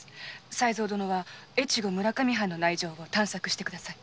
才三殿は越後村上藩の内情を探索してください。